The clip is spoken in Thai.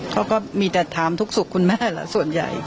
เขาก็มีแต่ถามทุกสุขคุณแม่ล่ะส่วนใหญ่